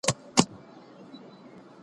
چا ویله چي ګوربت دي زموږ پاچا وي